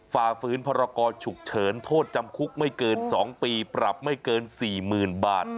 ฝ่าฝืนพรกรฉุกเฉินโทษจำคุกไม่เกิน๒ปีปรับไม่เกิน๔๐๐๐บาท